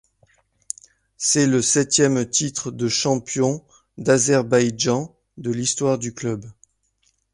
C'est le septième titre de champion d'Azerbaïdjan de l'histoire du club.